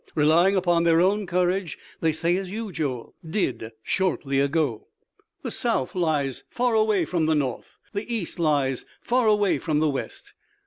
Relying upon their own courage, they say as you, Joel, did shortly ago: 'The South lies far away from the North, the East lies far away from the West.'